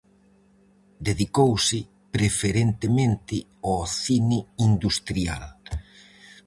Dedicouse, preferentemente, ao cine industrial.